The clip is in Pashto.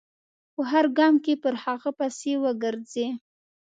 په هر ګام کې پر هغه پسې و ګرځي.